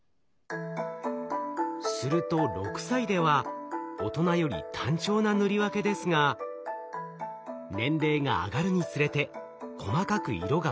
すると６歳では大人より単調な塗り分けですが年齢が上がるにつれて細かく色が分かれます。